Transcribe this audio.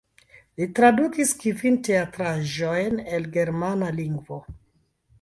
Li tradukis kvin teatraĵojn el germana lingvo.